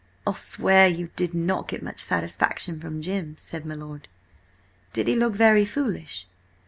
"I'll swear you did not get much satisfaction from Jim!" said my lord. "Did he look very foolish?"